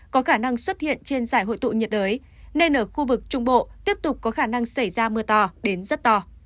có khả năng xuất hiện trên giải hội tụ nhiệt đới nên ở khu vực trung bộ tiếp tục có khả năng xảy ra mưa to đến rất to